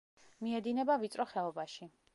მიედინება ვიწრო ხეობაში.